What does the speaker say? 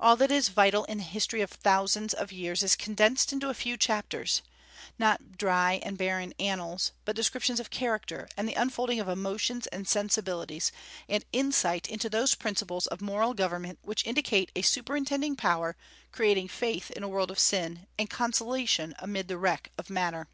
All that is vital in the history of thousands of years is condensed into a few chapters, not dry and barren annals, but descriptions of character, and the unfolding of emotions and sensibilities, and insight into those principles of moral government which indicate a superintending Power, creating faith in a world of sin, and consolation amid the wreck of matter.